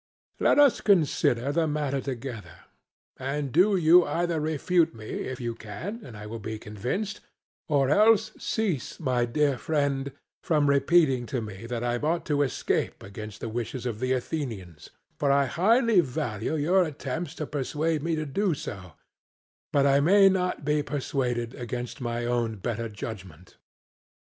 SOCRATES: Let us consider the matter together, and do you either refute me if you can, and I will be convinced; or else cease, my dear friend, from repeating to me that I ought to escape against the wishes of the Athenians: for I highly value your attempts to persuade me to do so, but I may not be persuaded against my own better judgment.